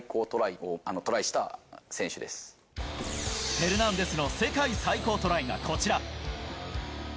フェルナンデスの世界最高トライがこちら。